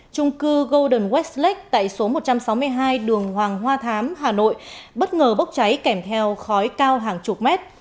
trung cư golden westlak tại số một trăm sáu mươi hai đường hoàng hoa thám hà nội bất ngờ bốc cháy kèm theo khói cao hàng chục mét